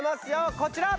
こちら！